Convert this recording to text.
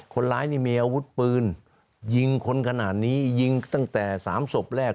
คนร้ายนี่มีอาวุธปืนยิงคนขนาดนี้ยิงตั้งแต่๓ศพแรก